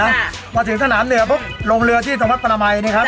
หวัดถึงสนานเหนือพบลงเรือที่สงบพระไหมนี่ครับ